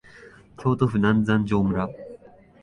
京都府南山城村